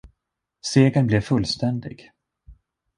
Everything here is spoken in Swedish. Segern blev fullständig.